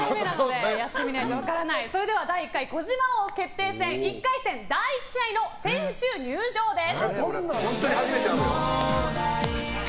それでは第１回アンジャッシュ児嶋王決定戦１回戦第１試合の選手入場です！